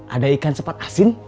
ada ikan sepat asin